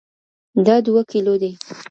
دا دوه کېلو دي.